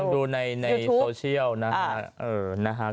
ลองดูในโซเชียลเออนะคะ